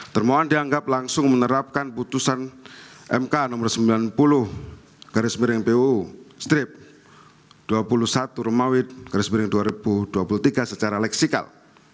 termohon dianggap langsung menerapkan putusan mk nomor sembilan puluh garis miring pu strip dua puluh satu romawit garis miring dua ribu dua puluh tiga secara leksikal